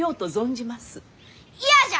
嫌じゃ！